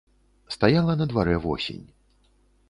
Стаяла на дварэ восень.